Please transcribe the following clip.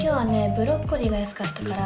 ブロッコリーが安かったから。